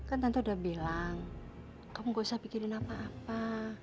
kan tante udah bilang kamu gak usah pikirin apa apa